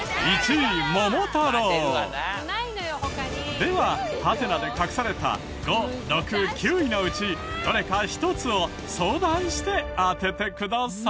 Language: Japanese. ではハテナで隠された５６９位のうちどれか１つを相談して当ててください。